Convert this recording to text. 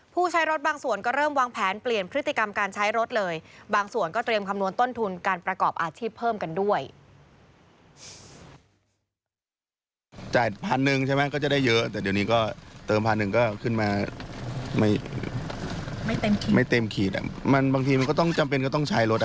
ผู้ใช้รถบางส่วนก็เริ่มวางแผนเปลี่ยนพฤติกรรมการใช้รถเลย